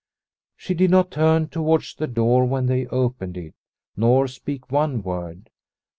She did not turn towards the door when they opened it, nor speak one word.